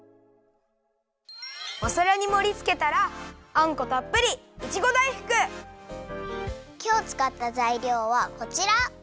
おさらにもりつけたらあんこたっぷりきょうつかったざいりょうはこちら！